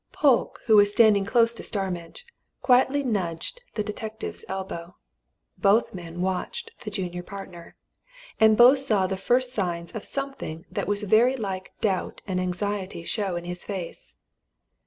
Polke, who was standing close to Starmidge, quietly nudged the detective's elbow. Both men watched the junior partner. And both saw the first signs of something that was very like doubt and anxiety show in his face.